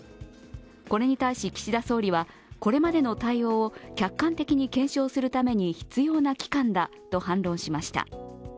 これに対し岸田総理は、これまでの対応を客観的に検証するために必要な期間だと反論しました。